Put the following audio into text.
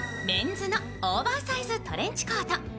メンズのオーバーサイズトレンチコート。